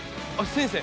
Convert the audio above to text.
先生